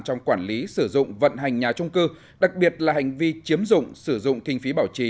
trong quản lý sử dụng vận hành nhà trung cư đặc biệt là hành vi chiếm dụng sử dụng kinh phí bảo trì